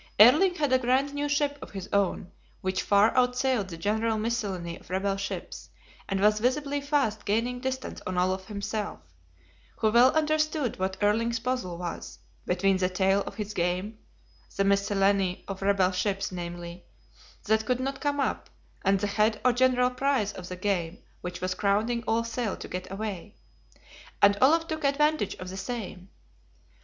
Erling had a grand new ship of his own, which far outsailed the general miscellany of rebel ships, and was visibly fast gaining distance on Olaf himself, who well understood what Erling's puzzle was, between the tail of his game (the miscellany of rebel ships, namely) that could not come up, and the head or general prize of the game which was crowding all sail to get away; and Olaf took advantage of the same.